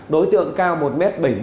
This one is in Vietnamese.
đối tượng cao một m bảy mươi